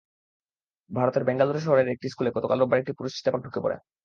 ভারতের বেঙ্গালুরু শহরের একটি স্কুলে গতকাল রোববার একটি পুরুষ চিতাবাঘ ঢুকে পড়ে।